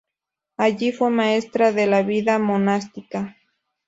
Allí fue maestra de la vida monástica.